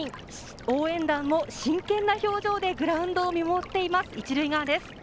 応援団も真剣な表情でグラウンドを見守っている一塁側です。